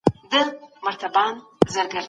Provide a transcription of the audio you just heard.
راتلونکی کال به زه یو دوکان لرم.